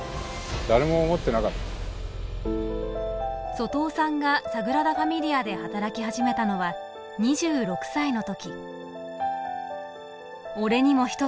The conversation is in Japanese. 外尾さんがサグラダ・ファミリアで働き始めたのは２６歳の時。